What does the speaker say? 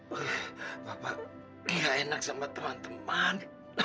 wah bapak gak enak sama teman teman